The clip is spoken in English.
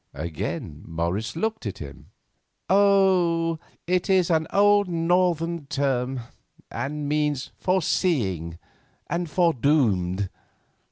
Again Morris looked at him. "Oh, it is an old northern term, and means foreseeing, and foredoomed.